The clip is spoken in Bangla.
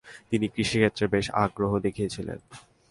তিনি কৃষিক্ষেত্রে বেশি আগ্রহ দেখিয়েছিলেন।